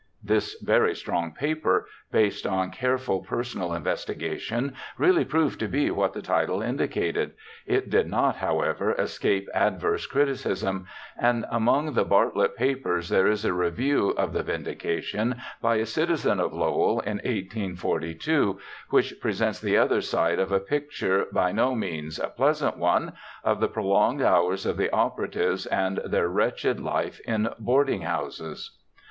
This very strong paper, based on careful personal investigations, really proved to be what the title indicated. It did not, however, escape adverse criticism, and among the Bartlett papers there is a re view of the Vindication by a citizen of Lowell in 1842, which presents the other side of a picture, by no means a pleasant one, of the prolonged hours of the operatives and their wretched life in boarding houses.